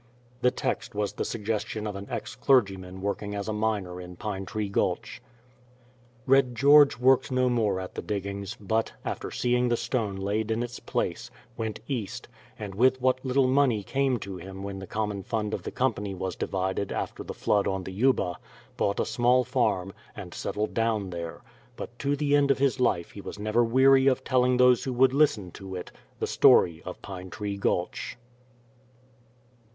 The text was the suggestion of an ex clergyman working as a miner in Pine Tree Gulch. Red George worked no more at the diggings, but, after seeing the stone laid in its place, went east, and with what little money came to him when the common fund of the company was divided after the flood on the Yuba, bought a small farm, and settled down there; but to the end of his life he was never weary of telling those who would listen to it the story of Pine Tree Gulch.